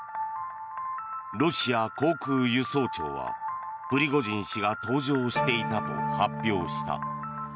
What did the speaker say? ロシア航空輸送庁はプリゴジン氏が搭乗していたと発表した。